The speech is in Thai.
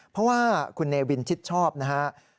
เพราะว่าคุณเนวินชิดชอบนะครับ